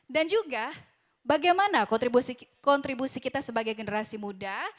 dan juga bagaimana kontribusi kita sebagai generasi muda